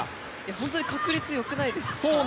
本当に確率よくないですか？